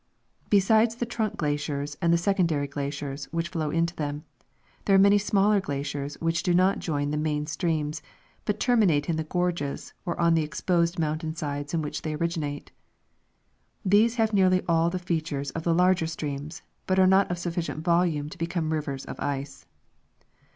Besides the trunk glaciers and the secondary glaciers which flow into them, there are many smaller glaciers which do not join the main streams, but terminate in the gorges or on the exposed mountain sides in which they originate. These have nearly all the feat ures of the larger streams, but are not of sufficient volume to become rivers of ice.